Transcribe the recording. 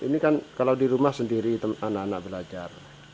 ini kan kalau di rumah sendiri anak anak belajar